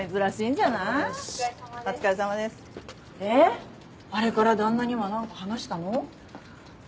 あれから旦那には何か話したの？